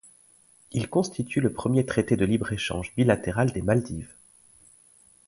Il constitue le premier traité de libre-échange bilatérale des Maldives.